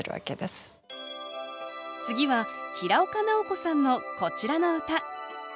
次は平岡直子さんのこちらの歌。